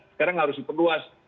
sekarang harus diperluas